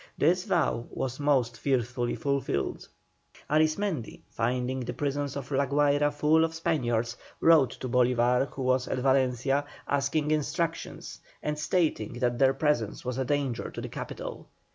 This vow was most fearfully fulfilled. Arismendi finding the prisons of La Guayra full of Spaniards, wrote to Bolívar who was at Valencia, asking instructions, and stating that their presence was a danger to the capital.